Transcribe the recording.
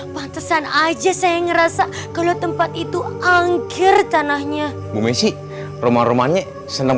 pantesan aja saya ngerasa kalau tempat itu angkir tanahnya bumesi rumah rumahnya senang